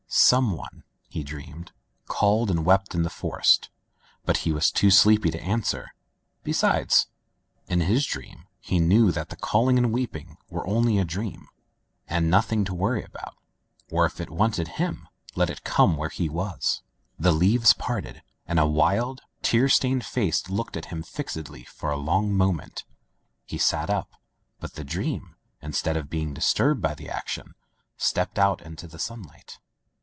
... Some one (he dreamed) called and wept in the forest, but he was too sleepy to answer. Besides, in his dream, he knew that the calling and weeping were only a dream, and Digitized by LjOOQ IC Interventions nothing to worry about — or, if it wanted him, let it come where he was. ... The leaves parted and a wild, tear stained face looked at him fixedly for a long moment. He sat up, but the dream, instead of being disturbed by the action, stepped out into the sunlight.